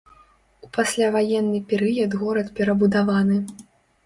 У пасляваенны перыяд горад перабудаваны.